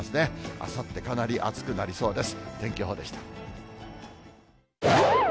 あさって、かなり暑くなりそうです。